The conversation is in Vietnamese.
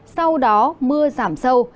sau đó mưa giảm sâu